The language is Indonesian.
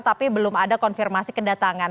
tapi belum ada konfirmasi kedatangan